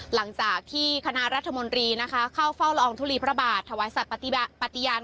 หลังจากที่คณะรัฐมนตรีนะคะเข้าเฝ้าละอองทุลีพระบาทถวายสัตว์ปฏิญาณ